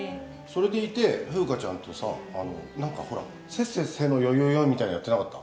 それでいて、風花ちゃんとさ、なんかほら、せっせっせのよいよいよいみたいなのやってなかった？